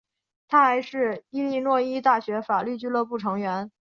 他还是伊利诺伊大学法律俱乐部成员。